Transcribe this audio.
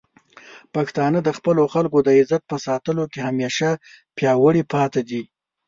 پښتانه د خپلو خلکو د عزت په ساتلو کې همیشه پیاوړي پاتې دي.